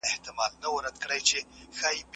د پسرلي صاحب په کورنۍ کې د ادب ډیوې لا هم بلې دي.